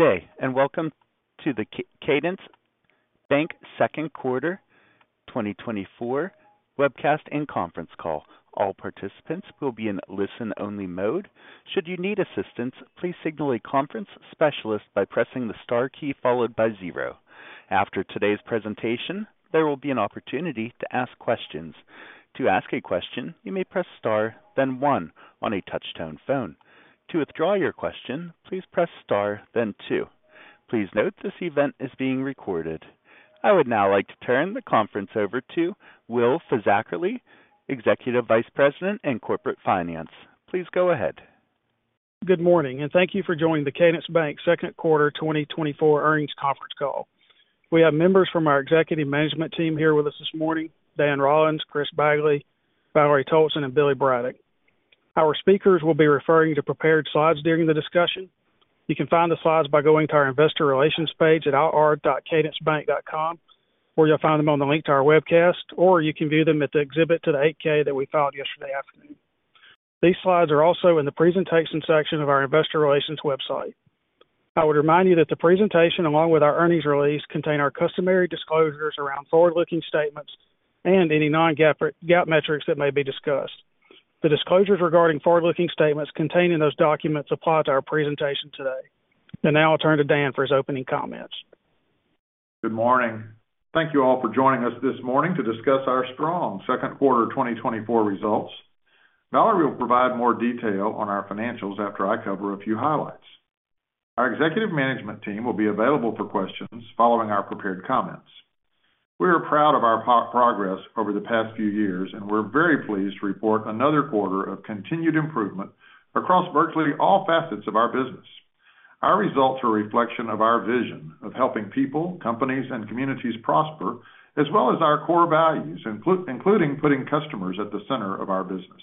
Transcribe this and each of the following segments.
Good day, and welcome to the Cadence Bank Second Quarter 2024 webcast and conference call. All participants will be in listen-only mode. Should you need assistance, please signal a conference specialist by pressing the star key followed by zero. After today's presentation, there will be an opportunity to ask questions. To ask a question, you may press star, then one on a touch-tone phone. To withdraw your question, please press star, then two. Please note this event is being recorded. I would now like to turn the conference over to Will Fisackerly, Executive Vice President and Corporate Finance. Please go ahead. Good morning, and thank you for joining the Cadence Bank Second Quarter 2024 earnings conference call. We have members from our executive management team here with us this morning: Dan Rollins, Chris Bagley, Valerie Toalson, and Billy Brabham. Our speakers will be referring to prepared slides during the discussion. You can find the slides by going to our investor relations page at ir.cadencebank.com, where you'll find them on the link to our webcast, or you can view them at the exhibit to the 8-K that we filed yesterday afternoon. These slides are also in the presentation section of our investor relations website. I would remind you that the presentation, along with our earnings release, contains our customary disclosures around forward-looking statements and any non-GAAP metrics that may be discussed. The disclosures regarding forward-looking statements contained in those documents apply to our presentation today. Now I'll turn to Dan for his opening comments. Good morning. Thank you all for joining us this morning to discuss our strong Second Quarter 2024 results. Valerie will provide more detail on our financials after I cover a few highlights. Our executive management team will be available for questions following our prepared comments. We are proud of our progress over the past few years, and we're very pleased to report another quarter of continued improvement across virtually all facets of our business. Our results are a reflection of our vision of helping people, companies, and communities prosper, as well as our core values, including putting customers at the center of our business.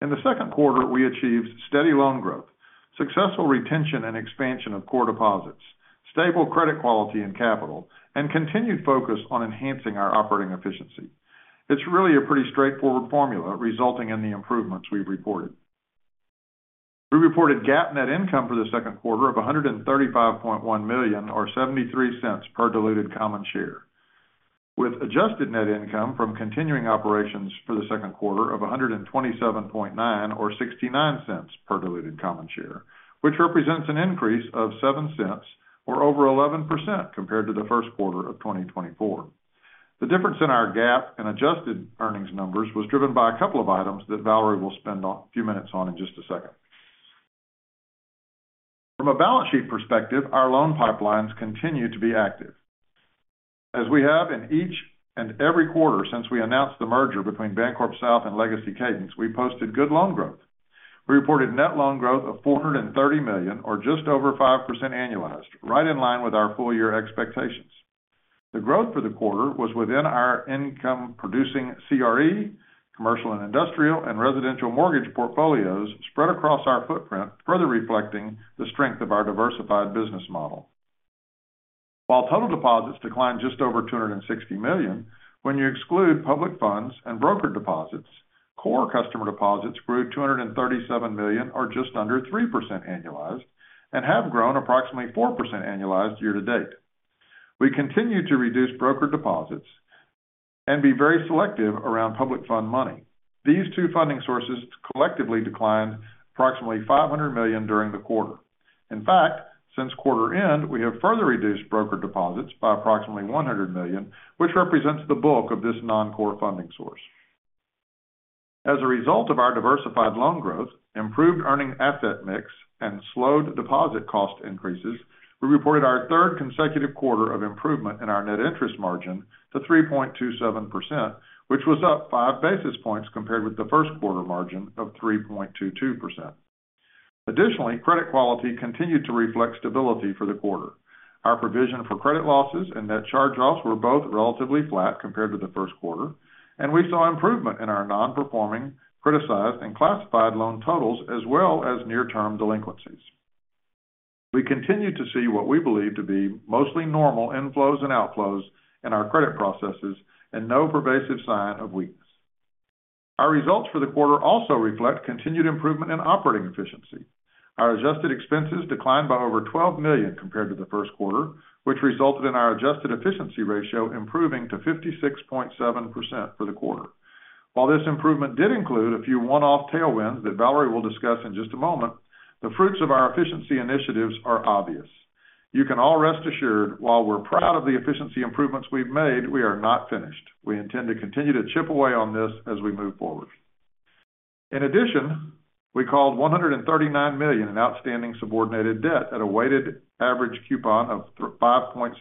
In the second quarter, we achieved steady loan growth, successful retention and expansion of core deposits, stable credit quality and capital, and continued focus on enhancing our operating efficiency. It's really a pretty straightforward formula resulting in the improvements we've reported. We reported GAAP net income for the second quarter of $135.1 million, or $0.73 per diluted common share, with adjusted net income from continuing operations for the second quarter of $127.9 million, or $0.69 per diluted common share, which represents an increase of $0.07, or over 11% compared to the first quarter of 2024. The difference in our GAAP and adjusted earnings numbers was driven by a couple of items that Valerie will spend a few minutes on in just a second. From a balance sheet perspective, our loan pipelines continue to be active. As we have in each and every quarter since we announced the merger between BancorpSouth and Legacy Cadence, we posted good loan growth. We reported net loan growth of $430 million, or just over 5% annualized, right in line with our full-year expectations. The growth for the quarter was within our income-producing CRE, commercial and industrial, and residential mortgage portfolios spread across our footprint, further reflecting the strength of our diversified business model. While total deposits declined just over $260 million, when you exclude public funds and brokered deposits, core customer deposits grew $237 million, or just under 3% annualized, and have grown approximately 4% annualized year to date. We continue to reduce brokered deposits and be very selective around public funds money. These two funding sources collectively declined approximately $500 million during the quarter. In fact, since quarter end, we have further reduced brokered deposits by approximately $100 million, which represents the bulk of this non-core funding source. As a result of our diversified loan growth, improved earning asset mix, and slowed deposit cost increases, we reported our third consecutive quarter of improvement in our net interest margin to 3.27%, which was up five basis points compared with the first quarter margin of 3.22%. Additionally, credit quality continued to reflect stability for the quarter. Our provision for credit losses and net charge-offs were both relatively flat compared to the first quarter, and we saw improvement in our non-performing, criticized, and classified loan totals, as well as near-term delinquencies. We continue to see what we believe to be mostly normal inflows and outflows in our credit processes and no pervasive sign of weakness. Our results for the quarter also reflect continued improvement in operating efficiency. Our adjusted expenses declined by over $12 million compared to the first quarter, which resulted in our adjusted efficiency ratio improving to 56.7% for the quarter. While this improvement did include a few one-off tailwinds that Valerie will discuss in just a moment, the fruits of our efficiency initiatives are obvious. You can all rest assured, while we're proud of the efficiency improvements we've made, we are not finished. We intend to continue to chip away on this as we move forward. In addition, we called $139 million in outstanding subordinated debt at a weighted average coupon of 5.65%,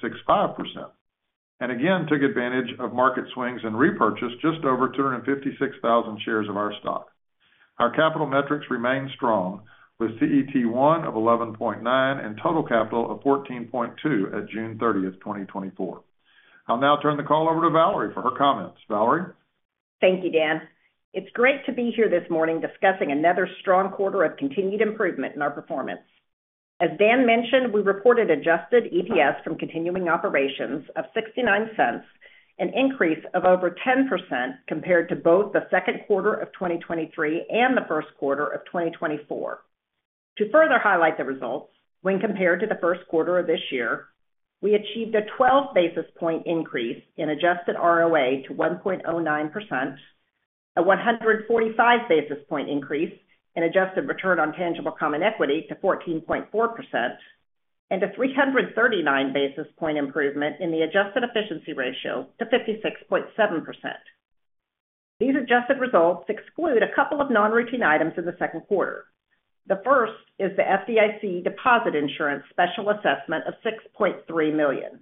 and again took advantage of market swings and repurchased just over 256,000 shares of our stock. Our capital metrics remain strong, with CET1 of 11.9 and total capital of 14.2 at June 30th, 2024. I'll now turn the call over to Valerie for her comments. Valerie? Thank you, Dan. It's great to be here this morning discussing another strong quarter of continued improvement in our performance. As Dan mentioned, we reported adjusted EPS from continuing operations of $0.69, an increase of over 10% compared to both the second quarter of 2023 and the first quarter of 2024. To further highlight the results, when compared to the first quarter of this year, we achieved a 12 basis point increase in adjusted ROA to 1.09%, a 145 basis point increase in adjusted return on tangible common equity to 14.4%, and a 339 basis point improvement in the adjusted efficiency ratio to 56.7%. These adjusted results exclude a couple of non-routine items in the second quarter. The first is the FDIC deposit insurance special assessment of $6.3 million.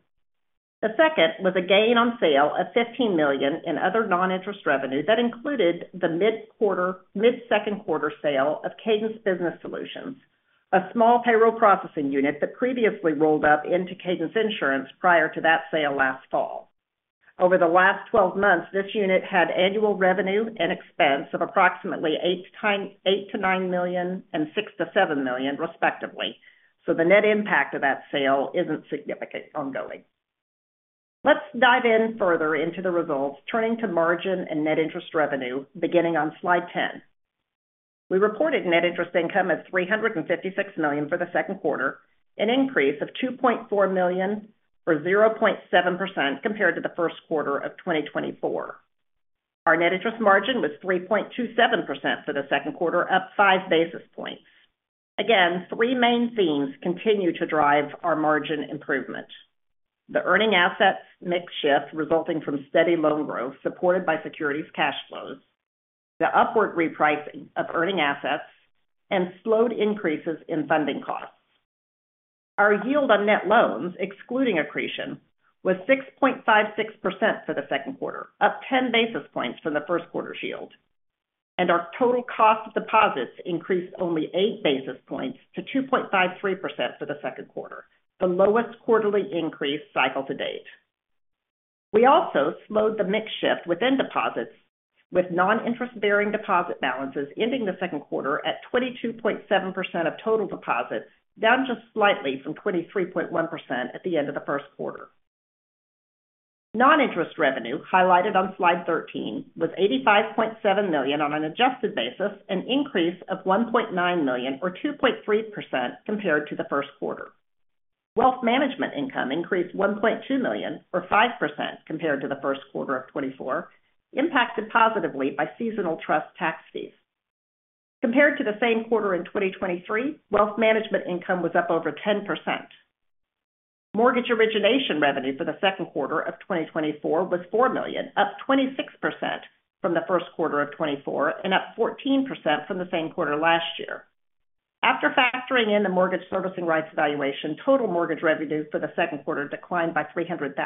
The second was a gain on sale of $15 million in other non-interest revenue that included the mid-second quarter sale of Cadence Business Solutions, a small payroll processing unit that previously rolled up into Cadence Insurance prior to that sale last fall. Over the last 12 months, this unit had annual revenue and expense of approximately $8-$9 million and $6-$7 million, respectively. So the net impact of that sale isn't significant ongoing. Let's dive in further into the results, turning to margin and net interest revenue, beginning on slide 10. We reported net interest income of $356 million for the second quarter, an increase of $2.4 million or 0.7% compared to the first quarter of 2024. Our net interest margin was 3.27% for the second quarter, up five basis points. Again, three main themes continue to drive our margin improvement: the earning assets mix shift resulting from steady loan growth supported by securities cash flows, the upward repricing of earning assets, and slowed increases in funding costs. Our yield on net loans, excluding accretion, was 6.56% for the second quarter, up 10 basis points from the first quarter's yield. Our total cost of deposits increased only eight basis points to 2.53% for the second quarter, the lowest quarterly increase cycle to date. We also slowed the mix shift within deposits, with non-interest-bearing deposit balances ending the second quarter at 22.7% of total deposits, down just slightly from 23.1% at the end of the first quarter. Non-interest revenue, highlighted on slide 13, was $85.7 million on an adjusted basis, an increase of $1.9 million, or 2.3% compared to the first quarter. Wealth management income increased $1.2 million, or 5% compared to the first quarter of 2024, impacted positively by seasonal trust tax fees. Compared to the same quarter in 2023, wealth management income was up over 10%. Mortgage origination revenue for the second quarter of 2024 was $4 million, up 26% from the first quarter of 2024, and up 14% from the same quarter last year. After factoring in the mortgage servicing rights valuation, total mortgage revenue for the second quarter declined by $300,000.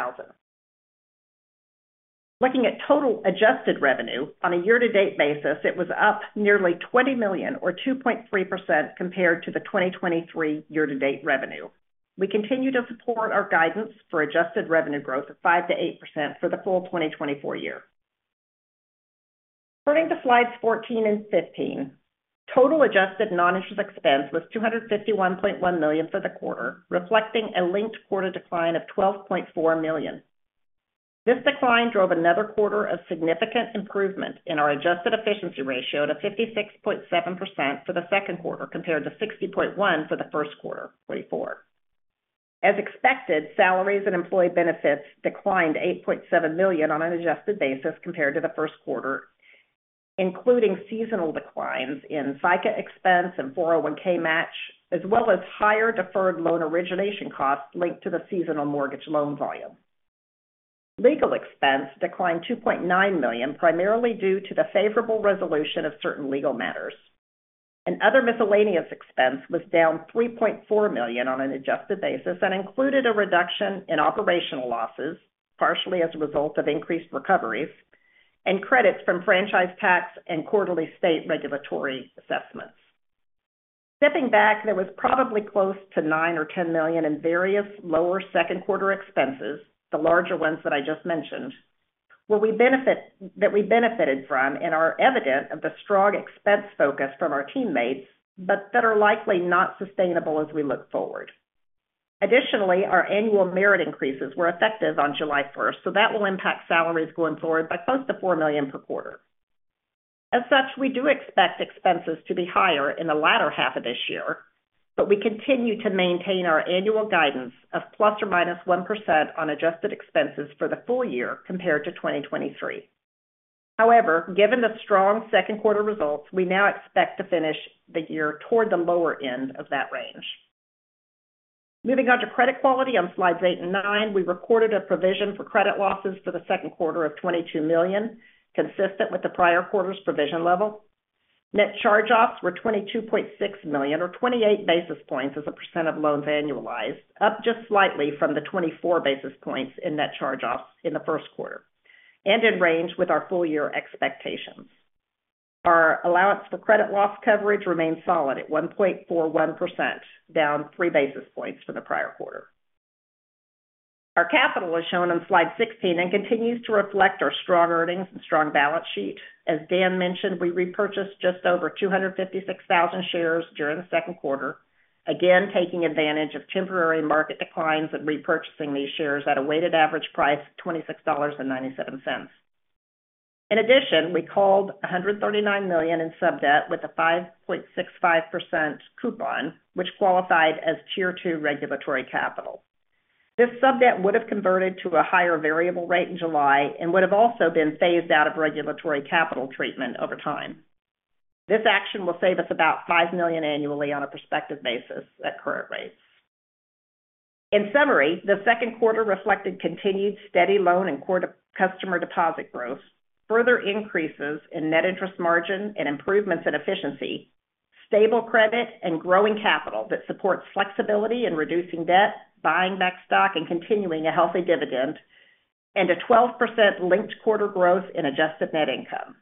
Looking at total adjusted revenue, on a year-to-date basis, it was up nearly $20 million, or 2.3% compared to the 2023 year-to-date revenue. We continue to support our guidance for adjusted revenue growth of 5%-8% for the full 2024 year. Turning to slides 14 and 15, total adjusted non-interest expense was $251.1 million for the quarter, reflecting a linked quarter decline of $12.4 million. This decline drove another quarter of significant improvement in our adjusted efficiency ratio to 56.7% for the second quarter compared to 60.1% for the first quarter of 2024. As expected, salaries and employee benefits declined $8.7 million on an adjusted basis compared to the first quarter, including seasonal declines in FICA expense and 401(k) match, as well as higher deferred loan origination costs linked to the seasonal mortgage loan volume. Legal expense declined $2.9 million, primarily due to the favorable resolution of certain legal matters. Other miscellaneous expense was down $3.4 million on an adjusted basis and included a reduction in operational losses, partially as a result of increased recoveries, and credits from franchise tax and quarterly state regulatory assessments. Stepping back, there was probably close to $9 million or $10 million in various lower second quarter expenses, the larger ones that I just mentioned, that we benefited from and are evident of the strong expense focus from our teammates, but that are likely not sustainable as we look forward. Additionally, our annual merit increases were effective on July 1st, so that will impact salaries going forward by close to $4 million per quarter. As such, we do expect expenses to be higher in the latter half of this year, but we continue to maintain our annual guidance of ±1% on adjusted expenses for the full year compared to 2023. However, given the strong second quarter results, we now expect to finish the year toward the lower end of that range. Moving on to credit quality on slides eight and nine, we recorded a provision for credit losses for the second quarter of $22 million, consistent with the prior quarter's provision level. Net charge-offs were $22.6 million, or 28 basis points as a percent of loans annualized, up just slightly from the 24 basis points in net charge-offs in the first quarter, and in range with our full-year expectations. Our allowance for credit losses coverage remains solid at 1.41%, down three basis points from the prior quarter. Our capital is shown on slide 16 and continues to reflect our strong earnings and strong balance sheet. As Dan mentioned, we repurchased just over 256,000 shares during the second quarter, again taking advantage of temporary market declines and repurchasing these shares at a weighted average price of $26.97. In addition, we called $139 million in subdebt with a 5.65% coupon, which qualified as Tier 2 regulatory capital. This subdebt would have converted to a higher variable rate in July and would have also been phased out of regulatory capital treatment over time. This action will save us about $5 million annually on a prospective basis at current rates. In summary, the second quarter reflected continued steady loan and customer deposit growth, further increases in net interest margin and improvements in efficiency, stable credit, and growing capital that supports flexibility in reducing debt, buying back stock, and continuing a healthy dividend, and a 12% linked quarter growth in adjusted net income.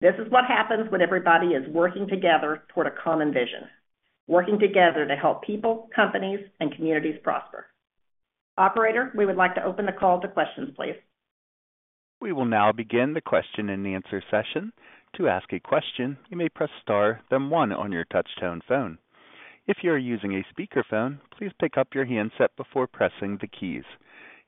This is what happens when everybody is working together toward a common vision, working together to help people, companies, and communities prosper. Operator, we would like to open the call to questions, please. We will now begin the question and answer session. To ask a question, you may press star then one on your touch-tone phone. If you're using a speakerphone, please pick up your handset before pressing the keys.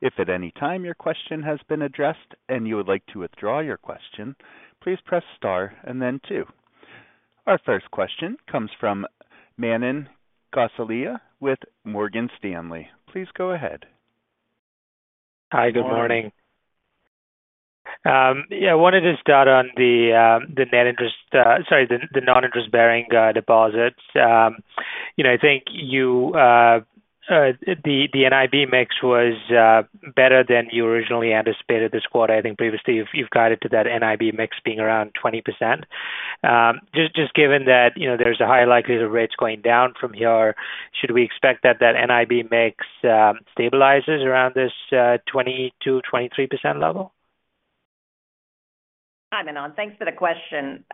If at any time your question has been addressed and you would like to withdraw your question, please press star and then two. Our first question comes from Manan Gosalia with Morgan Stanley. Please go ahead. Hi, good morning. Yeah, I wanted to start on the net interest, sorry, the non-interest-bearing deposits. You know, I think the NIB mix was better than you originally anticipated this quarter. I think previously you've guided to that NIB mix being around 20%. Just given that there's a high likelihood of rates going down from here, should we expect that that NIB mix stabilizes around this 22%-23% level? Hi, Manan. Thanks for the question.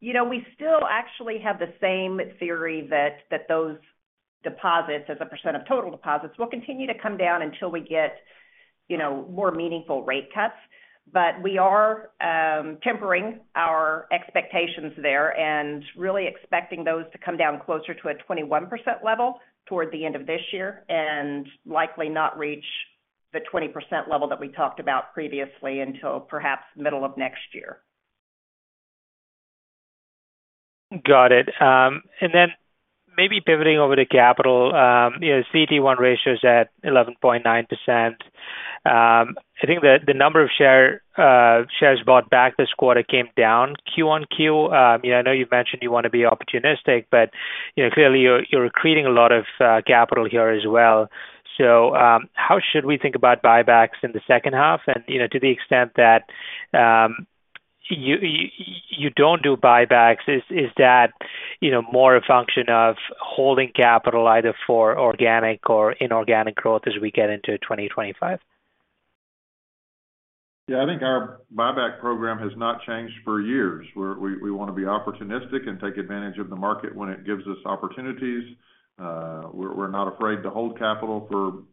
You know, we still actually have the same theory that those deposits, as a percent of total deposits, will continue to come down until we get more meaningful rate cuts. But we are tempering our expectations there and really expecting those to come down closer to a 21% level toward the end of this year and likely not reach the 20% level that we talked about previously until perhaps the middle of next year. Got it. And then maybe pivoting over to capital, CET1 ratio is at 11.9%. I think the number of shares bought back this quarter came down quarter-over-quarter. I know you've mentioned you want to be opportunistic, but clearly you're accreting a lot of capital here as well. So how should we think about buybacks in the second half? And to the extent that you don't do buybacks, is that more a function of holding capital either for organic or inorganic growth as we get into 2025? Yeah, I think our buyback program has not changed for years. We want to be opportunistic and take advantage of the market when it gives us opportunities. We're not afraid to hold capital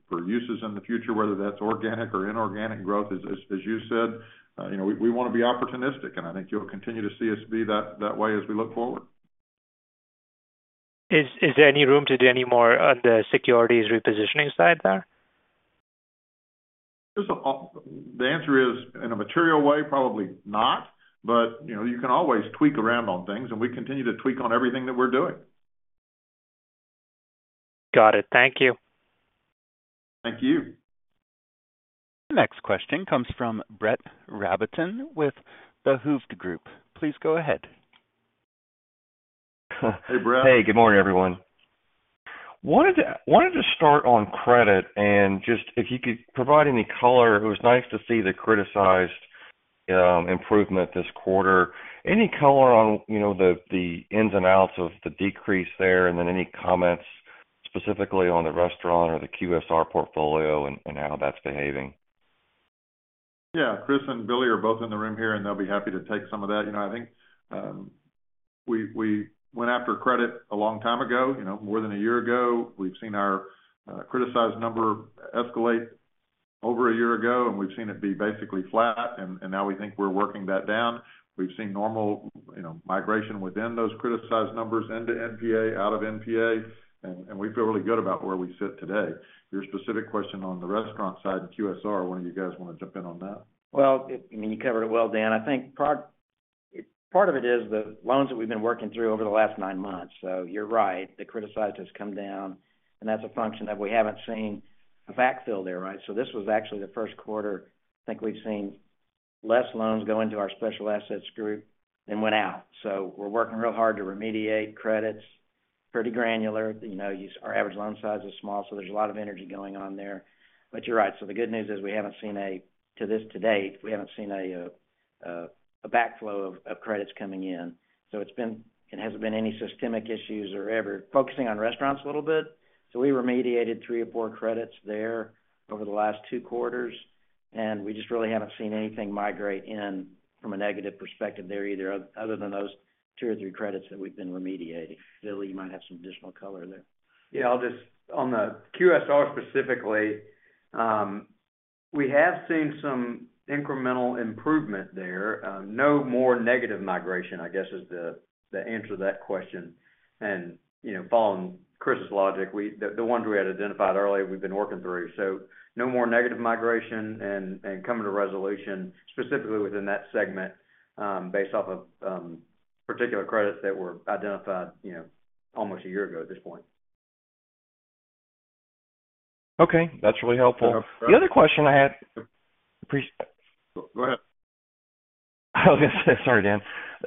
for uses in the future, whether that's organic or inorganic growth, as you said. We want to be opportunistic, and I think you'll continue to see us be that way as we look forward. Is there any room to do any more on the securities repositioning side there? The answer is, in a material way, probably not, but you can always tweak around on things, and we continue to tweak on everything that we're doing. Got it. Thank you. Thank you. Next question comes from Brett Rabatin with the Hovde Group. Please go ahead. Hey, Brett. Hey, good morning, everyone. Wanted to start on credit and just if you could provide any color. It was nice to see the criticized improvement this quarter. Any color on the ins and outs of the decrease there and then any comments specifically on the restaurant or the QSR portfolio and how that's behaving? Yeah, Chris and Billy are both in the room here, and they'll be happy to take some of that. I think we went after credit a long time ago, more than a year ago. We've seen our criticized number escalate over a year ago, and we've seen it be basically flat, and now we think we're working that down. We've seen normal migration within those criticized numbers into NPA, out of NPA, and we feel really good about where we sit today. Your specific question on the restaurant side and QSR, one of you guys want to jump in on that? Well, I mean, you covered it well, Dan. I think part of it is the loans that we've been working through over the last nine months. So you're right, the criticized has come down, and that's a function that we haven't seen a backfill there, right? So this was actually the first quarter, I think we've seen less loans go into our special assets group than went out. So we're working real hard to remediate credits. Pretty granular. Our average loan size is small, so there's a lot of energy going on there. But you're right. So the good news is we haven't seen a—to this date—we haven't seen a backflow of credits coming in. So it hasn't been any systemic issues or ever. Focusing on restaurants a little bit. So we remediated three or four credits there over the last two quarters, and we just really haven't seen anything migrate in from a negative perspective there either, other than those two or three credits that we've been remediating. Billy, you might have some additional color there. Yeah, I'll just, on the QSR specifically, we have seen some incremental improvement there. No more negative migration, I guess, is the answer to that question. And following Chris's logic, the ones we had identified earlier, we've been working through. So no more negative migration and coming to resolution specifically within that segment based off of particular credits that were identified almost a year ago at this point. Okay. That's really helpful. The other question I had. Go ahead. Sorry, Dan.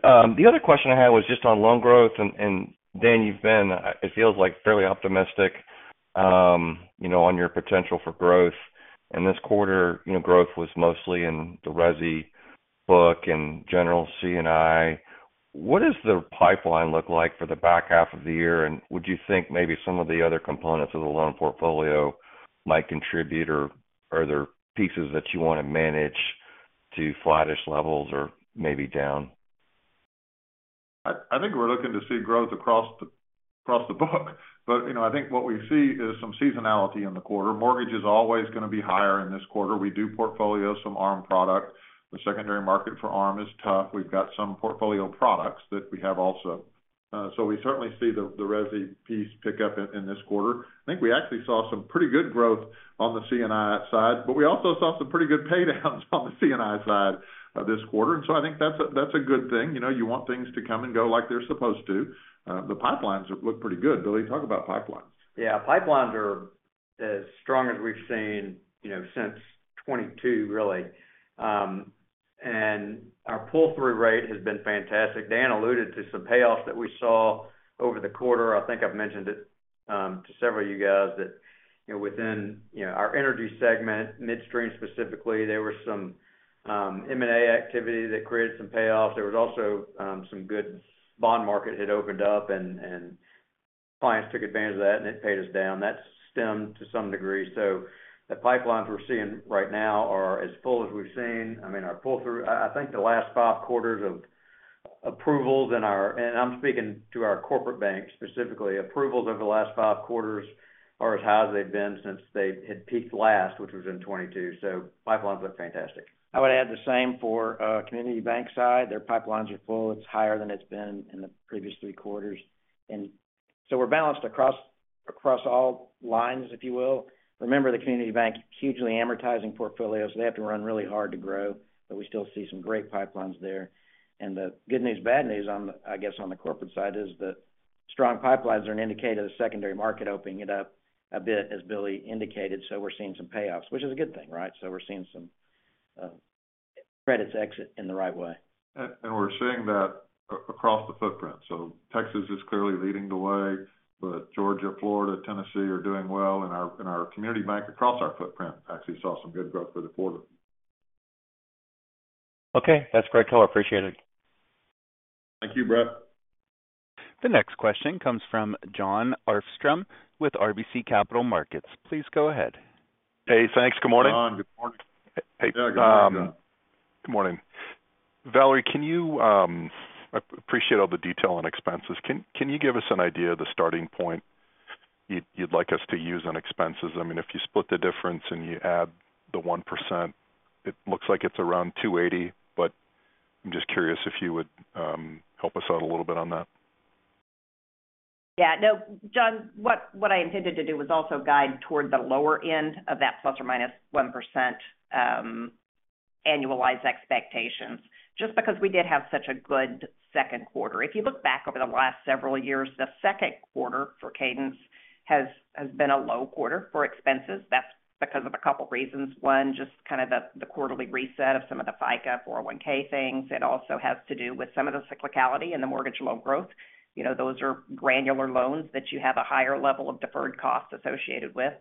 The other question I had was just on loan growth, and Dan, you've been, it feels like, fairly optimistic on your potential for growth. And this quarter, growth was mostly in the Resi book and general C&I. What does the pipeline look like for the back half of the year? And would you think maybe some of the other components of the loan portfolio might contribute, or are there pieces that you want to manage to flattish levels or maybe down? I think we're looking to see growth across the book. But I think what we see is some seasonality in the quarter. Mortgage is always going to be higher in this quarter. We do portfolio some ARM product. The secondary market for ARM is tough. We've got some portfolio products that we have also. So we certainly see the Resi piece pick up in this quarter. I think we actually saw some pretty good growth on the C&I side, but we also saw some pretty good paydowns on the C&I side this quarter. And so I think that's a good thing. You want things to come and go like they're supposed to. The pipelines look pretty good. Billy, talk about pipelines. Yeah, pipelines are as strong as we've seen since 2022, really. And our pull-through rate has been fantastic. Dan alluded to some payoffs that we saw over the quarter. I think I've mentioned it to several of you guys that within our energy segment, midstream specifically, there was some M&A activity that created some payoffs. There was also some good bond market had opened up, and clients took advantage of that, and it paid us down. That's stemmed to some degree. So the pipelines we're seeing right now are as full as we've seen. I mean, our pull-through, I think the last five quarters of approvals in our, and I'm speaking to our corporate bank specifically, approvals over the last five quarters are as high as they've been since they had peaked last, which was in 2022. So pipelines look fantastic. I would add the same for Community Bank side. Their pipelines are full. It's higher than it's been in the previous three quarters. And so we're balanced across all lines, if you will. Remember, the Community Bank hugely amortizing portfolios, they have to run really hard to grow, but we still see some great pipelines there. And the good news, bad news, I guess, on the corporate side is that strong pipelines are an indicator of the secondary market opening it up a bit, as Billy indicated. So we're seeing some payoffs, which is a good thing, right? So we're seeing some credits exit in the right way. We're seeing that across the footprint. Texas is clearly leading the way, but Georgia, Florida, Tennessee are doing well. Our Community Bank across our footprint actually saw some good growth for the quarter. Okay. That's great color. Appreciate it. Thank you, Brett. The next question comes from John Arfstrom with RBC Capital Markets. Please go ahead. Hey, thanks. Good morning. John, good morning. Yeah, good morning. Good morning. Valerie, I appreciate all the detail on expenses. Can you give us an idea of the starting point you'd like us to use on expenses? I mean, if you split the difference and you add the 1%, it looks like it's around $280, but I'm just curious if you would help us out a little bit on that. Yeah. No, John, what I intended to do was also guide toward the lower end of that ±1% annualized expectations, just because we did have such a good second quarter. If you look back over the last several years, the second quarter for Cadence has been a low quarter for expenses. That's because of a couple of reasons. One, just kind of the quarterly reset of some of the FICA 401(k) things. It also has to do with some of the cyclicality in the mortgage loan growth. Those are granular loans that you have a higher level of deferred cost associated with.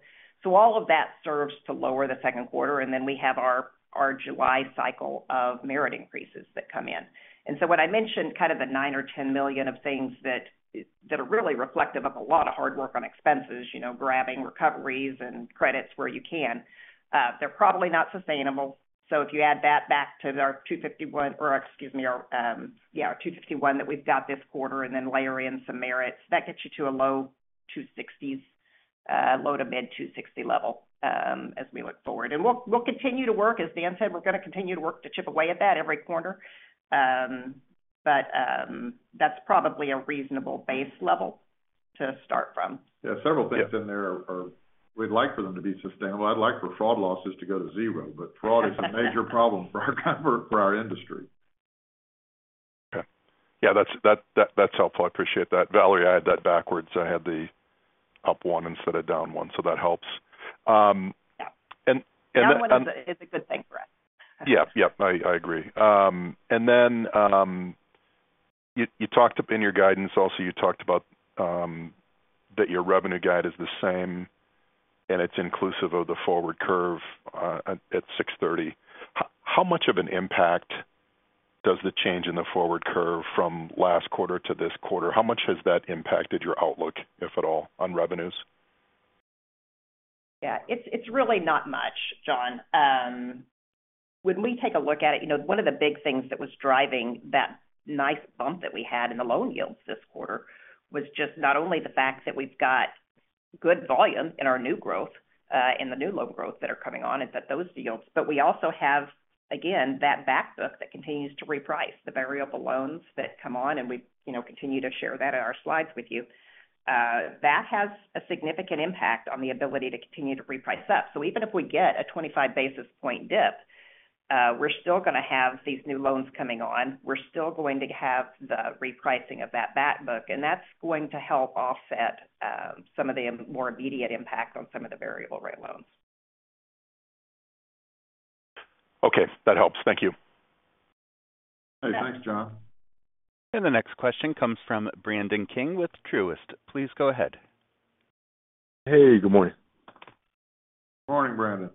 So all of that serves to lower the second quarter. And then we have our July cycle of merit increases that come in. So when I mentioned kind of the $9-$10 million of things that are really reflective of a lot of hard work on expenses, grabbing recoveries and credits where you can, they're probably not sustainable. So if you add that back to our $251 million, or excuse me, our $251 million that we've got this quarter, and then layer in some merits, that gets you to a low $260 millions, low- to mid-$260 million level as we look forward. And we'll continue to work, as Dan said, we're going to continue to work to chip away at that every quarter. But that's probably a reasonable base level to start from. Yeah, several things in there, we'd like for them to be sustainable. I'd like for fraud losses to go to zero, but fraud is a major problem for our industry. Okay. Yeah, that's helpful. I appreciate that. Valerie, I had that backwards. I had the up one instead of down one, so that helps. Yeah. That one is a good thing for us. Yeah, yeah. I agree. And then you talked in your guidance, also you talked about that your revenue guide is the same and it's inclusive of the forward curve at 630. How much of an impact does the change in the forward curve from last quarter to this quarter? How much has that impacted your outlook, if at all, on revenues? Yeah, it's really not much, John. When we take a look at it, one of the big things that was driving that nice bump that we had in the loan yields this quarter was just not only the fact that we've got good volume in our new growth, in the new loan growth that are coming on, is that those yields, but we also have, again, that backbook that continues to reprice the variable loans that come on, and we continue to share that in our slides with you. That has a significant impact on the ability to continue to reprice up. So even if we get a 25 basis points dip, we're still going to have these new loans coming on. We're still going to have the repricing of that backbook, and that's going to help offset some of the more immediate impact on some of the variable rate loans. Okay. That helps. Thank you. Hey, thanks, John. The next question comes from Brandon King with Truist. Please go ahead. Hey, good morning. Morning, Brandon.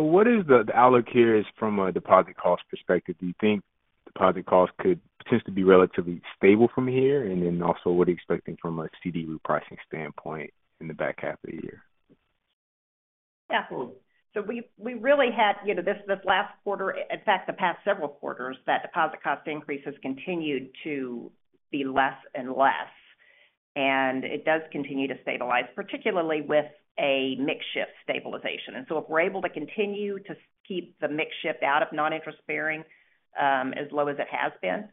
What is the outlook here from a deposit cost perspective? Do you think deposit cost could potentially be relatively stable from here? And then also, what are you expecting from a CD repricing standpoint in the back half of the year? Yeah. So we really had this last quarter, in fact, the past several quarters, that deposit cost increase has continued to be less and less, and it does continue to stabilize, particularly with a mix shift stabilization. And so if we're able to continue to keep the mix shift out of non-interest-bearing as low as it has been,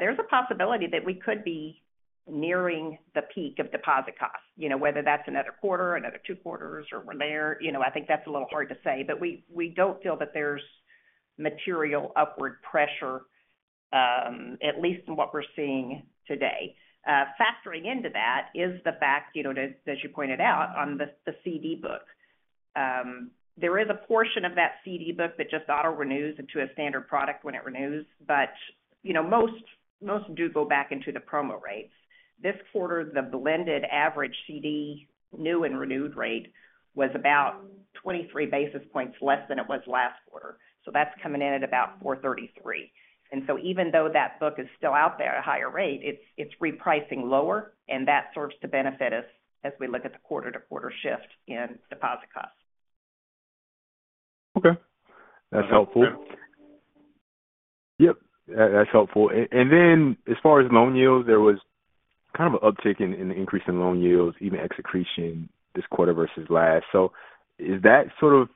there's a possibility that we could be nearing the peak of deposit costs, whether that's another quarter, another two quarters, or we're there. I think that's a little hard to say, but we don't feel that there's material upward pressure, at least in what we're seeing today. Factoring into that is the fact, as you pointed out, on the CD book. There is a portion of that CD book that just auto-renews into a standard product when it renews, but most do go back into the promo rates. This quarter, the blended average CD new and renewed rate was about 23 basis points less than it was last quarter. So that's coming in at about 433. And so even though that book is still out there at a higher rate, it's repricing lower, and that serves to benefit us as we look at the quarter-to-quarter shift in deposit costs. Okay. That's helpful. Yep. That's helpful. And then as far as loan yields, there was kind of an uptick in the increase in loan yields, and execution this quarter versus last. So is that sort of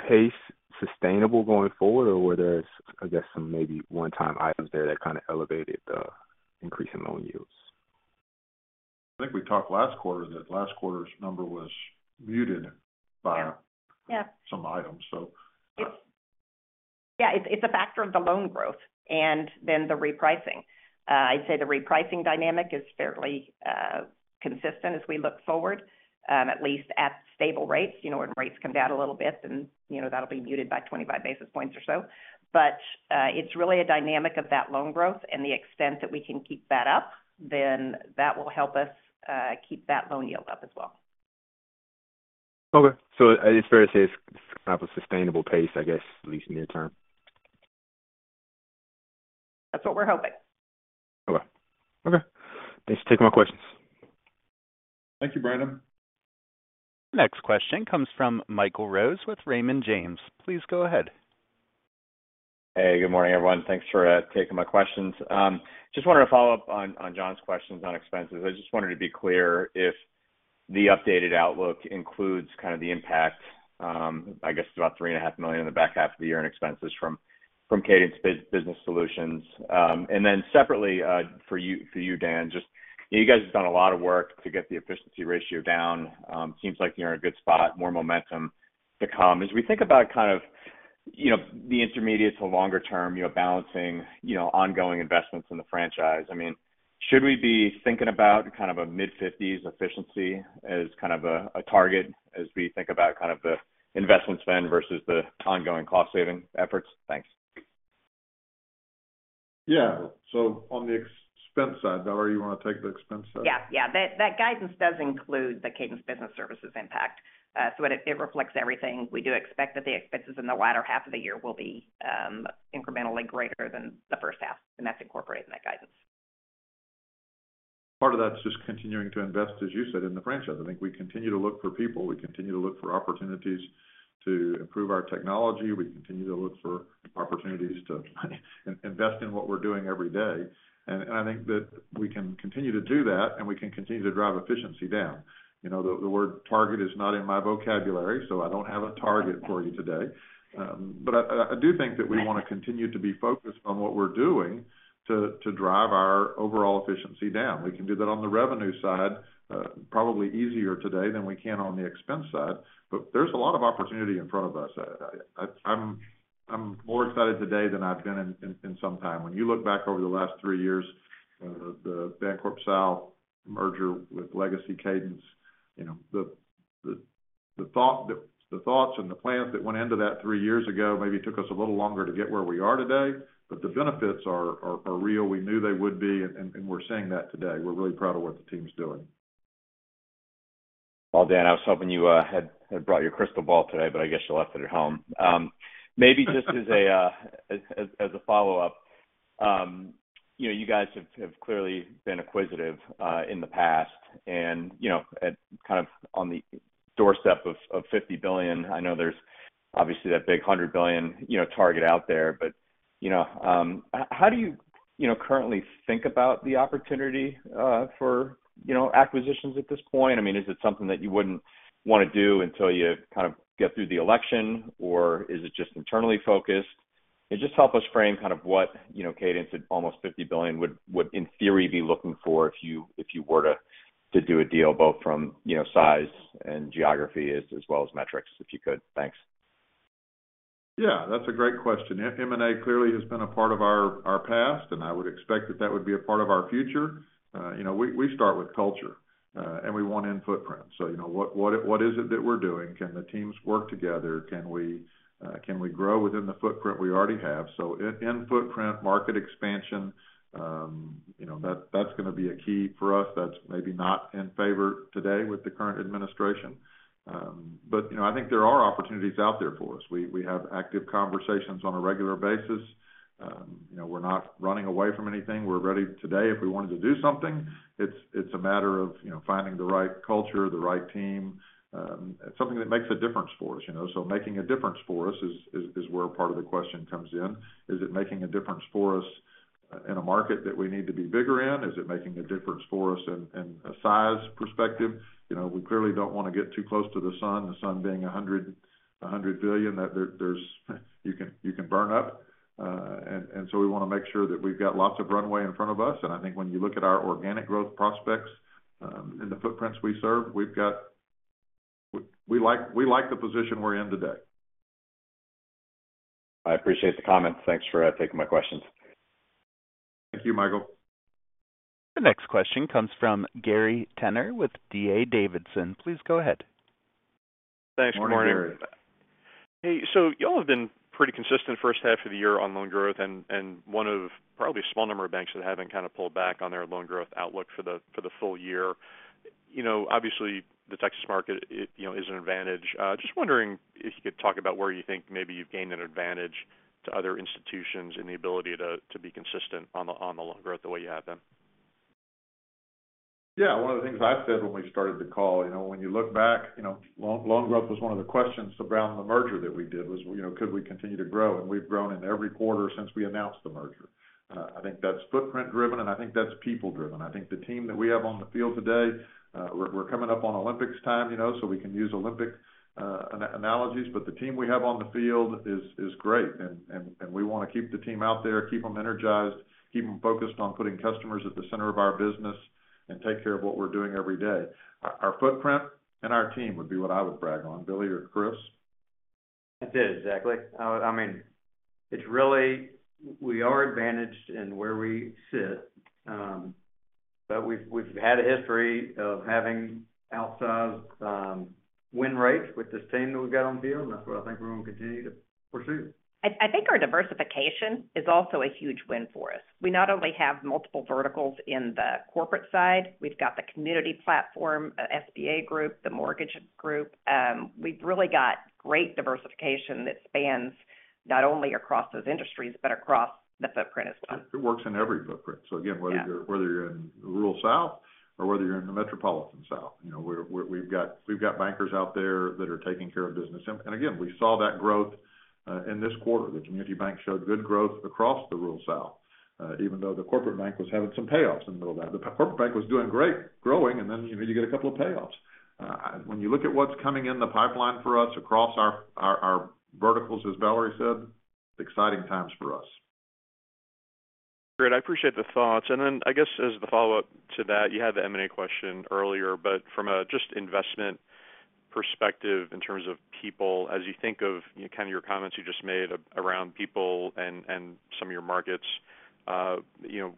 pace sustainable going forward, or were there, I guess, some maybe one-time items there that kind of elevated the increase in loan yields? I think we talked last quarter that last quarter's number was muted by some items, so. Yeah. It's a factor of the loan growth and then the repricing. I'd say the repricing dynamic is fairly consistent as we look forward, at least at stable rates. When rates come down a little bit, then that'll be muted by 25 basis points or so. But it's really a dynamic of that loan growth, and the extent that we can keep that up, then that will help us keep that loan yield up as well. Okay. So it's fair to say it's kind of a sustainable pace, I guess, at least near term. That's what we're hoping. Okay. Okay. Thanks for taking my questions. Thank you, Brandon. The next question comes from Michael Rose with Raymond James. Please go ahead. Hey, good morning, everyone. Thanks for taking my questions. Just wanted to follow up on John's questions on expenses. I just wanted to be clear if the updated outlook includes kind of the impact, I guess, about $3.5 million in the back half of the year in expenses from Cadence Business Solutions. And then separately for you, Dan, just you guys have done a lot of work to get the efficiency ratio down. Seems like you're in a good spot. More momentum to come. As we think about kind of the intermediate to longer term, balancing ongoing investments in the franchise, I mean, should we be thinking about kind of a mid-50s efficiency as kind of a target as we think about kind of the investment spend versus the ongoing cost-saving efforts? Thanks. Yeah. So on the expense side, Valerie, you want to take the expense side? Yeah. Yeah. That guidance does include the Cadence Business Solutions impact. So it reflects everything. We do expect that the expenses in the latter half of the year will be incrementally greater than the first half, and that's incorporated in that guidance. Part of that's just continuing to invest, as you said, in the franchise. I think we continue to look for people. We continue to look for opportunities to improve our technology. We continue to look for opportunities to invest in what we're doing every day. And I think that we can continue to do that, and we can continue to drive efficiency down. The word target is not in my vocabulary, so I don't have a target for you today. But I do think that we want to continue to be focused on what we're doing to drive our overall efficiency down. We can do that on the revenue side, probably easier today than we can on the expense side, but there's a lot of opportunity in front of us. I'm more excited today than I've been in some time. When you look back over the last three years, the BancorpSouth merger with Legacy Cadence, the thoughts and the plans that went into that three years ago maybe took us a little longer to get where we are today, but the benefits are real. We knew they would be, and we're seeing that today. We're really proud of what the team's doing. Well, Dan, I was hoping you had brought your crystal ball today, but I guess you left it at home. Maybe just as a follow-up, you guys have clearly been acquisitive in the past, and kind of on the doorstep of $50 billion. I know there's obviously that big $100 billion target out there, but how do you currently think about the opportunity for acquisitions at this point? I mean, is it something that you wouldn't want to do until you kind of get through the election, or is it just internally focused? And just help us frame kind of what Cadence at almost $50 billion would, in theory, be looking for if you were to do a deal, both from size and geography as well as metrics, if you could. Thanks. Yeah. That's a great question. M&A clearly has been a part of our past, and I would expect that that would be a part of our future. We start with culture, and we want in-footprint. So what is it that we're doing? Can the teams work together? Can we grow within the footprint we already have? So in-footprint, market expansion, that's going to be a key for us that's maybe not in favor today with the current administration. But I think there are opportunities out there for us. We have active conversations on a regular basis. We're not running away from anything. We're ready today if we wanted to do something. It's a matter of finding the right culture, the right team, something that makes a difference for us. So making a difference for us is where part of the question comes in. Is it making a difference for us in a market that we need to be bigger in? Is it making a difference for us in a size perspective? We clearly don't want to get too close to the sun, the sun being $100 billion that you can burn up. We want to make sure that we've got lots of runway in front of us. I think when you look at our organic growth prospects and the footprints we serve, we like the position we're in today. I appreciate the comments. Thanks for taking my questions. Thank you, Michael. The next question comes from Gary Tenner with D.A. Davidson. Please go ahead. Thanks. Good morning. Morning, Gary. Hey. So, y'all have been pretty consistent first half of the year on loan growth, and one of probably a small number of banks that haven't kind of pulled back on their loan growth outlook for the full year. Obviously, the Texas market is an advantage. Just wondering if you could talk about where you think maybe you've gained an advantage to other institutions in the ability to be consistent on the loan growth the way you have been. Yeah. One of the things I said when we started the call, when you look back, loan growth was one of the questions around the merger that we did was, could we continue to grow? We've grown in every quarter since we announced the merger. I think that's footprint-driven, and I think that's people-driven. I think the team that we have on the field today, we're coming up on Olympics time, so we can use Olympic analogies, but the team we have on the field is great, and we want to keep the team out there, keep them energized, keep them focused on putting customers at the center of our business, and take care of what we're doing every day. Our footprint and our team would be what I would brag on. Billy or Chris? I'd say exactly. I mean, it's really we are advantaged in where we sit, but we've had a history of having outsized win rates with this team that we've got on the field, and that's what I think we're going to continue to pursue. I think our diversification is also a huge win for us. We not only have multiple verticals in the corporate side. We've got the community platform, SBA group, the mortgage group. We've really got great diversification that spans not only across those industries, but across the footprint as well. It works in every footprint. So again, whether you're in the rural South or whether you're in the metropolitan South, we've got bankers out there that are taking care of business. And again, we saw that growth in this quarter. The community bank showed good growth across the rural South, even though the corporate bank was having some payoffs in the middle of that. The corporate bank was doing great, growing, and then you get a couple of payoffs. When you look at what's coming in the pipeline for us across our verticals, as Valerie said, exciting times for us. Great. I appreciate the thoughts. Then I guess as the follow-up to that, you had the M&A question earlier, but from a just investment perspective in terms of people, as you think of kind of your comments you just made around people and some of your markets,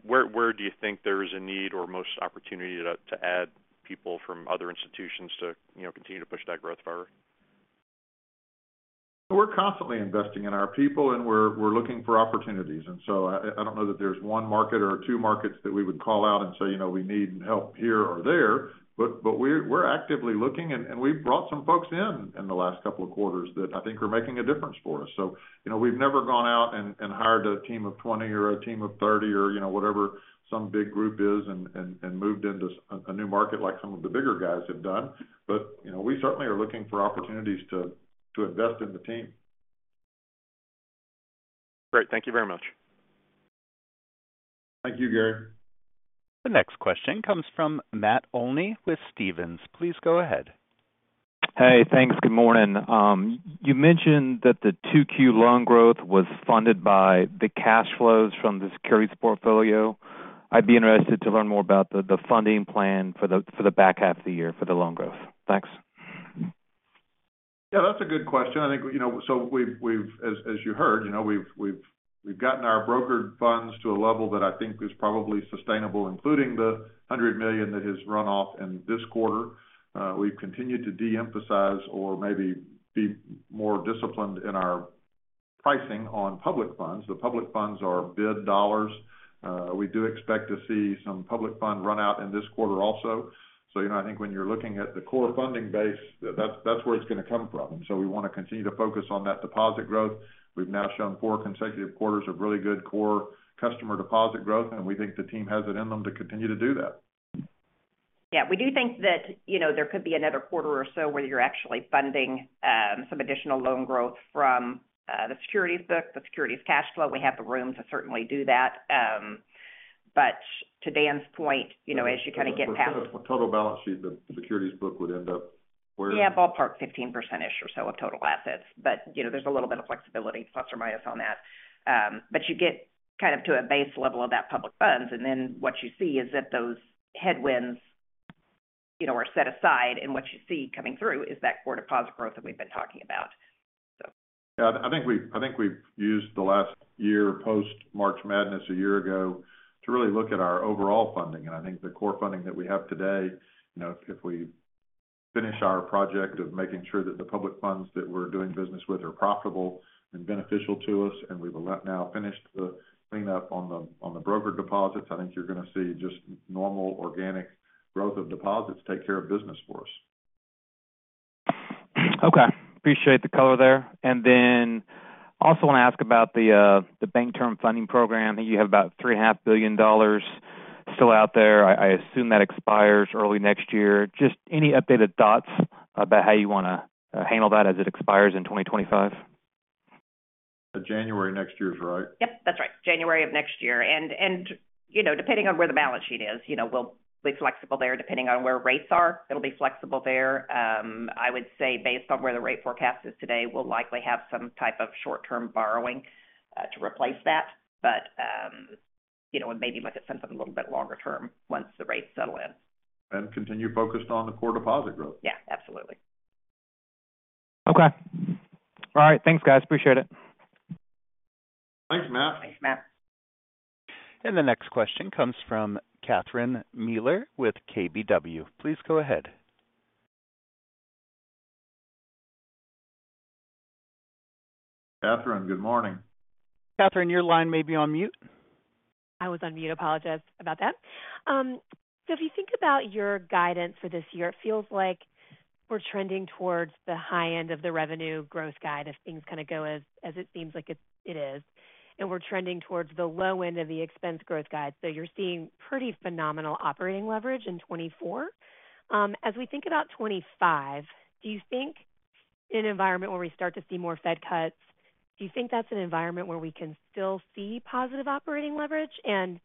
where do you think there is a need or most opportunity to add people from other institutions to continue to push that growth forward? We're constantly investing in our people, and we're looking for opportunities. And so I don't know that there's one market or two markets that we would call out and say, "We need help here or there," but we're actively looking, and we've brought some folks in in the last couple of quarters that I think are making a difference for us. So we've never gone out and hired a team of 20 or a team of 30 or whatever some big group is and moved into a new market like some of the bigger guys have done, but we certainly are looking for opportunities to invest in the team. Great. Thank you very much. Thank you, Gary. The next question comes from Matt Olney with Stephens. Please go ahead. Hey, thanks. Good morning. You mentioned that the 2Q loan growth was funded by the cash flows from the securities portfolio. I'd be interested to learn more about the funding plan for the back half of the year for the loan growth. Thanks. Yeah. That's a good question. I think so as you heard, we've gotten our brokered funds to a level that I think is probably sustainable, including the $100 million that has run off in this quarter. We've continued to de-emphasize or maybe be more disciplined in our pricing on public funds. The public funds are bid dollars. We do expect to see some public fund run out in this quarter also. So I think when you're looking at the core funding base, that's where it's going to come from. And so we want to continue to focus on that deposit growth. We've now shown four consecutive quarters of really good core customer deposit growth, and we think the team has it in them to continue to do that. Yeah. We do think that there could be another quarter or so where you're actually funding some additional loan growth from the securities book, the securities cash flow. We have the room to certainly do that. But to Dan's point, as you kind of get past. I think the total balance sheet, the securities book would end up where? Yeah, ballpark 15%-ish or so of total assets, but there's a little bit of flexibility, plus or minus on that. But you get kind of to a base level of that public funds, and then what you see is that those headwinds are set aside, and what you see coming through is that core deposit growth that we've been talking about, so. Yeah. I think we've used the last year post-March madness a year ago to really look at our overall funding. And I think the core funding that we have today, if we finish our project of making sure that the public funds that we're doing business with are profitable and beneficial to us, and we've now finished the cleanup on the brokered deposits, I think you're going to see just normal organic growth of deposits take care of business for us. Okay. Appreciate the color there. Then also want to ask about the Bank Term Funding Program. I think you have about $3.5 billion still out there. I assume that expires early next year. Just any updated thoughts about how you want to handle that as it expires in 2025? January next year is right. Yep. That's right. January of next year. And depending on where the balance sheet is, we'll be flexible there depending on where rates are. It'll be flexible there. I would say based on where the rate forecast is today, we'll likely have some type of short-term borrowing to replace that, but maybe look at something a little bit longer term once the rates settle in. Continue focused on the core deposit growth. Yeah. Absolutely. Okay. All right. Thanks, guys. Appreciate it. Thanks, Matt. Thanks, Matt. The next question comes from Catherine Miller with KBW. Please go ahead. Catherine, good morning. Catherine, your line may be on mute. I was on mute. Apologize about that. So if you think about your guidance for this year, it feels like we're trending towards the high end of the revenue growth guide as things kind of go as it seems like it is. And we're trending towards the low end of the expense growth guide. So you're seeing pretty phenomenal operating leverage in 2024. As we think about 2025, do you think in an environment where we start to see more Fed cuts, do you think that's an environment where we can still see positive operating leverage? And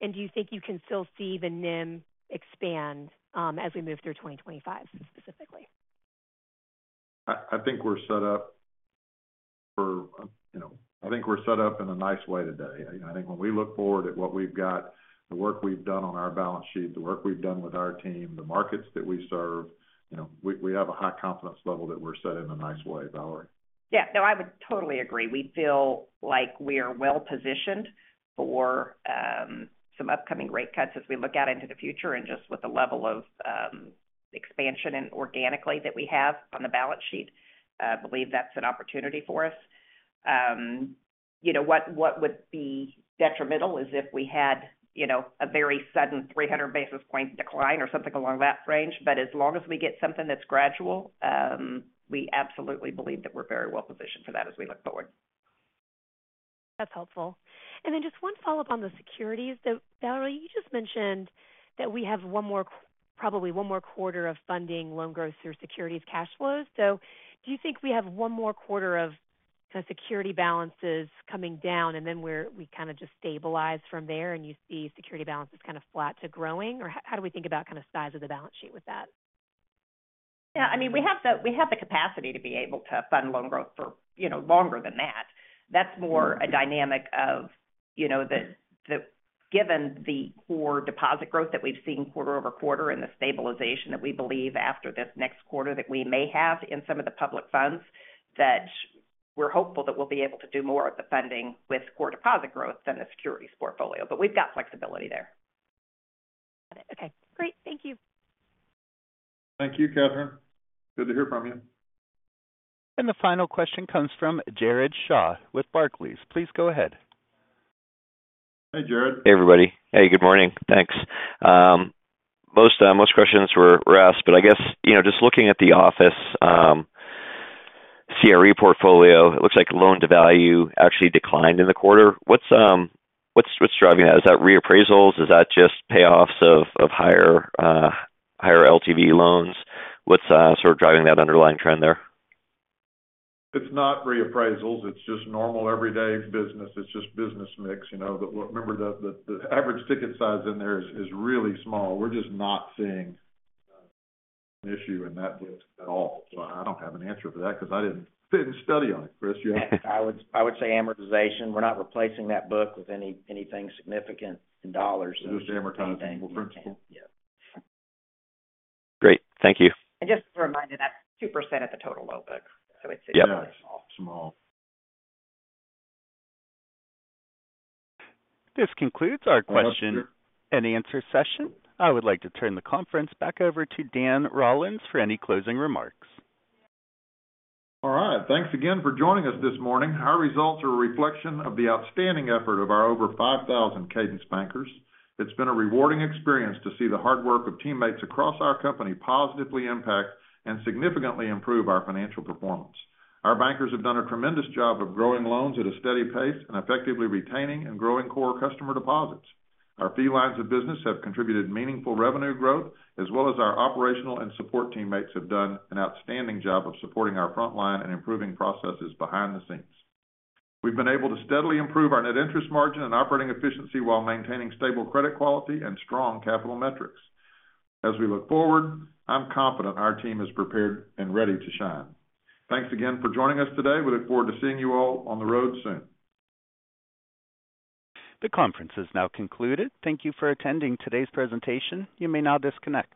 do you think you can still see the NIM expand as we move through 2025 specifically? I think we're set up in a nice way today. I think when we look forward at what we've got, the work we've done on our balance sheet, the work we've done with our team, the markets that we serve, we have a high confidence level that we're set in a nice way, Valerie. Yeah. No, I would totally agree. We feel like we are well positioned for some upcoming rate cuts as we look out into the future. And just with the level of expansion and organically that we have on the balance sheet, I believe that's an opportunity for us. What would be detrimental is if we had a very sudden 300 basis point decline or something along that range. But as long as we get something that's gradual, we absolutely believe that we're very well positioned for that as we look forward. That's helpful. And then just one follow-up on the securities. Valerie, you just mentioned that we have probably one more quarter of funding loan growth through securities cash flows. So do you think we have one more quarter of kind of security balances coming down, and then we kind of just stabilize from there and you see security balances kind of flat to growing? Or how do we think about kind of size of the balance sheet with that? Yeah. I mean, we have the capacity to be able to fund loan growth for longer than that. That's more a dynamic of given the core deposit growth that we've seen quarter-over-quarter and the stabilization that we believe after this next quarter that we may have in some of the public funds that we're hopeful that we'll be able to do more of the funding with core deposit growth than the securities portfolio. But we've got flexibility there. Got it. Okay. Great. Thank you. Thank you, Catherine. Good to hear from you. The final question comes from Jared Shaw with Barclays. Please go ahead. Hey, Jared. Hey, everybody. Hey, good morning. Thanks. Most questions were asked, but I guess just looking at the office CRE portfolio, it looks like loan to value actually declined in the quarter. What's driving that? Is that reappraisals? Is that just payoffs of higher LTV loans? What's sort of driving that underlying trend there? It's not reappraisals. It's just normal everyday business. It's just business mix. Remember, the average ticket size in there is really small. We're just not seeing an issue in that book at all. So I don't have an answer for that because I didn't study on it, Chris. I would say amortization. We're not replacing that book with anything significant in dollars. Just amortizing the principal. Yeah. Great. Thank you. Just a reminder, that's 2% of the total loan book. It's really small. Yeah. Small. This concludes our question and answer session. I would like to turn the conference back over to Dan Rollins for any closing remarks. All right. Thanks again for joining us this morning. Our results are a reflection of the outstanding effort of our over 5,000 Cadence bankers. It's been a rewarding experience to see the hard work of teammates across our company positively impact and significantly improve our financial performance. Our bankers have done a tremendous job of growing loans at a steady pace and effectively retaining and growing core customer deposits. Our fee lines of business have contributed meaningful revenue growth, as well as our operational and support teammates have done an outstanding job of supporting our frontline and improving processes behind the scenes. We've been able to steadily improve our net interest margin and operating efficiency while maintaining stable credit quality and strong capital metrics. As we look forward, I'm confident our team is prepared and ready to shine. Thanks again for joining us today. We look forward to seeing you all on the road soon. The conference has now concluded. Thank you for attending today's presentation. You may now disconnect.